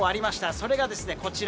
それがこちら。